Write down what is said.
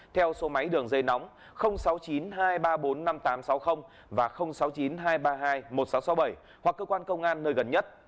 theo số máy đường dây nóng sáu mươi chín hai trăm ba mươi bốn năm nghìn tám trăm sáu mươi và sáu mươi chín hai trăm ba mươi hai một nghìn sáu trăm sáu mươi bảy hoặc cơ quan công an nơi gần nhất